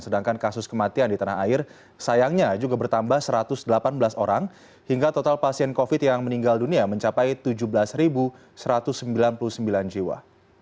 sedangkan kasus kematian di tanah air sayangnya juga bertambah satu ratus delapan belas orang hingga total pasien covid yang meninggal dunia mencapai tujuh belas satu ratus sembilan puluh sembilan jiwa